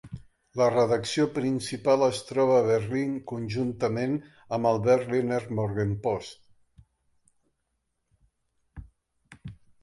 La redacció principal es troba a Berlín, conjuntament amb el "Berliner Morgenpost".